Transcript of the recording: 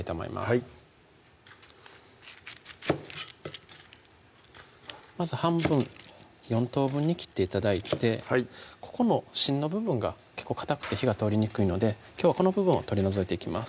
はいまず半分４等分に切って頂いてはいここの芯の部分が結構かたくて火が通りにくいのできょうはこの部分を取り除いていきます